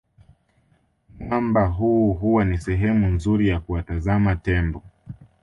Mwamba huu huwa ni sehemu nzuri ya kuwatazama Tembo